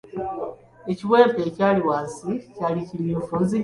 Ekiwempe ekyali wansi, kyali kimyufu.